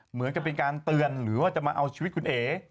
เหมือนกับเป็นการเตือนหรือว่าจะมาเอาชีวิตคุณเอ๋